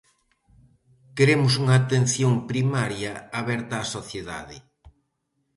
Queremos unha atención primaria aberta á sociedade.